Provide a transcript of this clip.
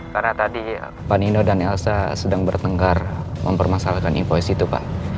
karena tadi pak nino dan elsa sedang bertengkar mempermasalahkan invoice itu pak